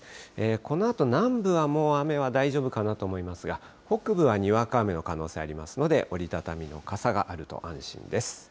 このあと、南部はもう雨は大丈夫かなと思いますが、北部はにわか雨の可能性がありますので、折り畳みの傘があると安心です。